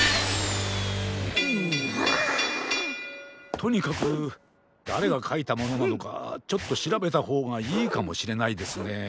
とにかくだれがかいたものなのかちょっとしらべたほうがいいかもしれないですね。